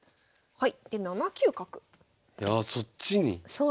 はい。